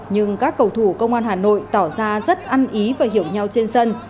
nhưng các cầu thủ công an hà nội tỏ ra rất ăn ý và hiểu nhau trên sân